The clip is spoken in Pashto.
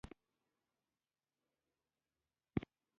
هغوی بې نظمي جوړه کړې وه.